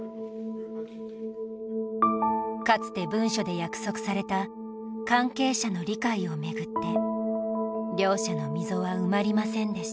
かつて文書で約束された「関係者の理解」をめぐって両者の溝は埋まりませんでした。